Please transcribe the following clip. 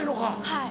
はい。